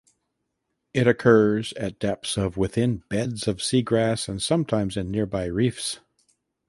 It occurs at depths of within beds of seagrass and sometimes in nearby reefs.